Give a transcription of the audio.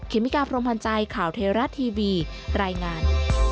เมกาพรมพันธ์ใจข่าวเทราะทีวีรายงาน